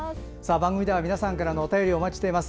番組では、皆さんからのお便りをお待ちしています。